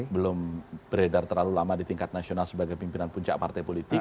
belum beredar terlalu lama di tingkat nasional sebagai pimpinan puncak partai politik